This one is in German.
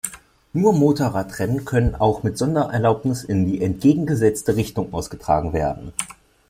Nur Motorradrennen können auch mit Sondererlaubnis in die entgegengesetzte Richtung ausgetragen werden.